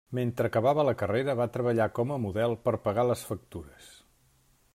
Mentre acabava la carrera, va treballar com a model per pagar les factures.